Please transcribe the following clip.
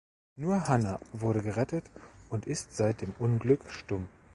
Nur Hannah wurde gerettet und ist seit dem Unglück stumm.